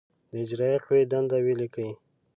د اجرائیه قوې دندې ولیکئ.